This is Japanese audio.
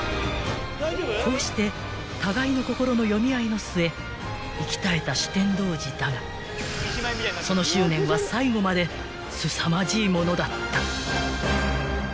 ［こうして互いの心の読み合いの末息絶えた酒呑童子だがその執念は最後まですさまじいものだった］